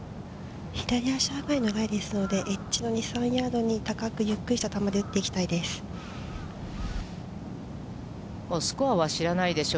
左足上がりのライですので、エッジの２、３ヤード高く、ゆっくりとした球で打っていきたいです。